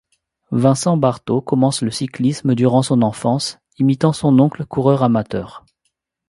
Vincent Barteau commence le cyclisme durant son enfance, imitant son oncle, coureur amateur.